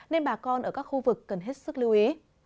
nên bà con ở các khu vực cần hết sức lưu ý